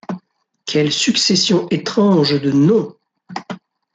Quelle succession étrange de noms!